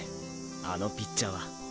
あのピッチャーは。